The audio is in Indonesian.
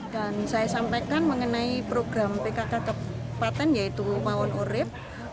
dan saya sampaikan mengenai program pkk kepatan yaitu pawan urib